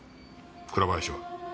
倉林は？